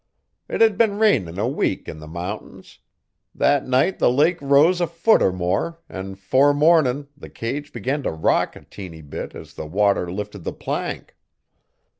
'It hed been rainin' a week in the mount'ins. Thet night the lake rose a foot er more an' 'fore mornin' the cage begun t' rock a teenty bit as the water lifted the plank.